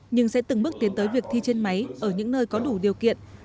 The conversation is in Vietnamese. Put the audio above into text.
nhưng sẽ từng bước tiến tới việc thi trên máy ở những nơi có đủ điều kiện